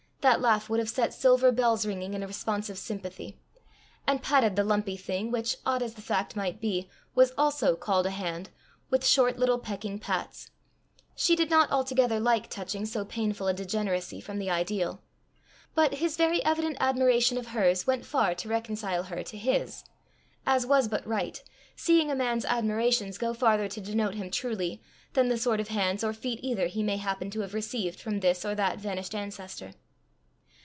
that laugh would have set silver bells ringing in responsive sympathy! and patted the lumpy thing which, odd as the fact might be, was also called a hand, with short little pecking pats; she did not altogether like touching so painful a degeneracy from the ideal. But his very evident admiration of hers, went far to reconcile her to his, as was but right, seeing a man's admirations go farther to denote him truly, than the sort of hands or feet either he may happen to have received from this or that vanished ancestor.